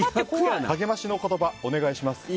励ましの言葉、お願いします。